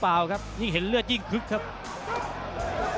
ฝ่ายทั้งเมืองนี้มันตีโต้หรืออีโต้